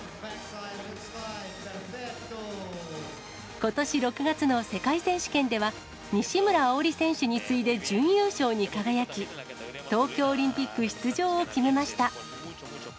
ことし６月の世界選手権では、西村碧莉選手に次いで準優勝に輝き、東京オリンピック出場を決めました。